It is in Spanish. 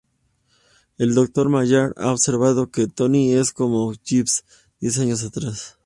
El Dr. Mallard ha observado que Tony es como Gibbs diez años atrás.